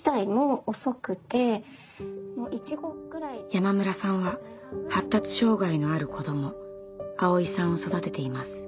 山村さんは発達障害のある子どもアオイさんを育てています。